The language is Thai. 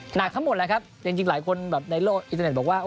หนักทั้งหมดแหละครับจริงหลายคนแบบในโลกอินเทอร์เน็ตบอกว่า